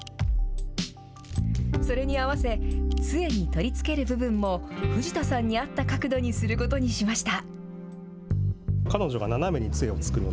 それに合わせ、つえに取り付ける部分も、藤田さんにあった角度にすることにしました。